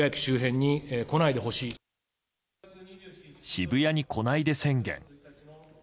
渋谷に来ないで宣言。